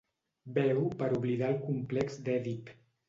Beu per oblidar el complex d'Èdip.